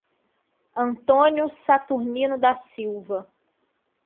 Antônio Saturnino da Silva